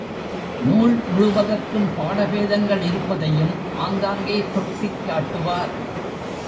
நூல் முழுவதற்கும் பாட பேதங்கள் இருப்பதையும் ஆங்காங்கே சுட்டிக் காட்டுவார்.